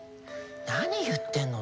何言ってるの？